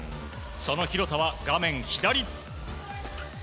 その廣田は画面左。